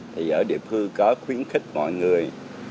thì ở địa phương có khuyến khích mọi người